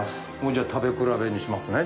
じゃあ食べ比べにしますね。